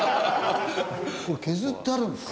削ってあるんですか？